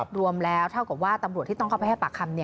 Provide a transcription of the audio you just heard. รวมแล้วเท่ากับว่าตำรวจที่ต้องเข้าไปให้ปากคำ